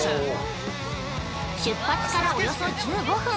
出発からおよそ１５分。